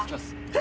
え⁉